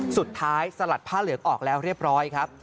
สลัดผ้าเหลืองออกแล้วเรียบร้อยครับ